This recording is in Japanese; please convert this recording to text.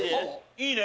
いいね！